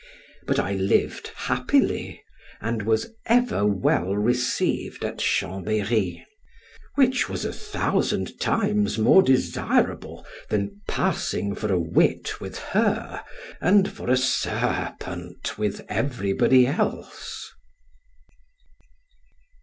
but I lived happily, and was ever well received at Chambery, which was a thousand times more desirable than passing for a wit with her, and for a serpent with everybody else.